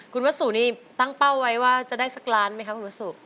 คุณวัสโศคนี่ตั้งเป้าไว้ว่าจะได้สักวร้านไหมครับคุณวัสโศ